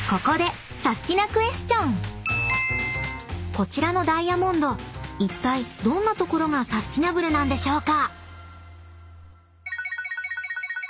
［こちらのダイヤモンドいったいどんなところがサスティナブルなんでしょうか？］